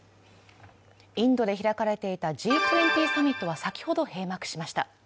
インドで開かれていたＧ２０サミットは先ほど閉幕しました。